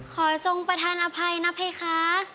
ขอทรงประธานอภัยนะเพคะ